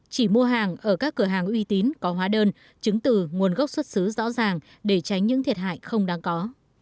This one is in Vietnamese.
chỉ mua hàng ở các cửa hàng uy tín có hóa đơn chứng từ nguồn gốc xuất xứ rõ ràng để tránh những thiệt hại không đáng có